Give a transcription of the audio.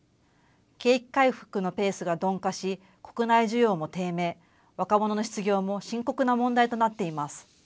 景気回復のペースが鈍化し、国内需要も低迷、若者の失業も深刻な問題となっています。